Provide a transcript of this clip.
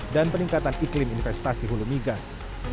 dan peningkatan iklim investasi hulumigas